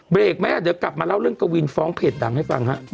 เบรกแม่เดี๋ยวกลับมาเล่าเรื่องกวินฟ้องเพจดังให้ฟังฮะ